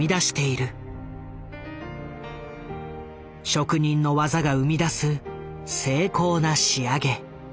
職人の技が生み出す精巧な仕上げ。